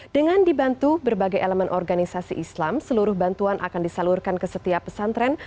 dengan dibantu berbagai elemen organisasi islam seluruh bantuan akan disalurkan ke setiap pesantren